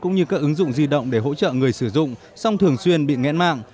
ứng dụng di động để hỗ trợ người sử dụng xong thường xuyên bị nghẹn mạng